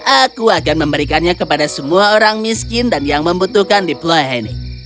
aku akan memberikannya kepada semua orang miskin dan yang membutuhkan diployenik